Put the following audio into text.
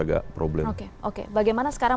agak problem oke bagaimana sekarang